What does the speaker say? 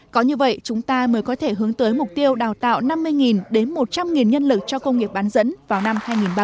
có như vậy chúng ta mới có thể hướng tới mục tiêu đào tạo năm mươi đến một trăm linh nhân lực cho công nghiệp bán dẫn vào năm hai nghìn ba mươi